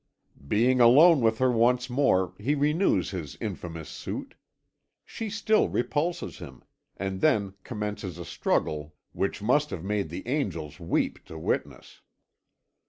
"Being alone with her once more, he renews his infamous suit. She still repulses him, and then commences a struggle which must have made the angels weep to witness.